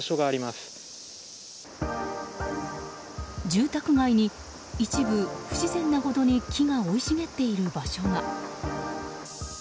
住宅街に一部不自然なほどに気が生い茂っている場所が。